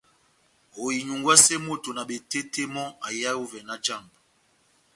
Oinyungwase moto na betete mò aihae ovè nájàmbo.